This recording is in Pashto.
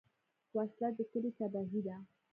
وسله د کلي تباهي ده